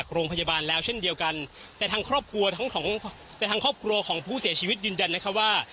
ก็จะแถ่งทางข้อครัวของผู้เสียชีวิตยืนยันว่า